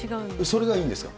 それがいいんですか。